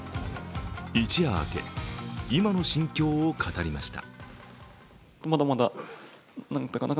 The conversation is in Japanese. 一夜明け、今の心境を語りました。